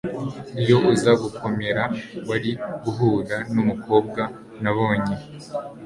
iyo uza gukomera, wari guhura numukobwa nabonye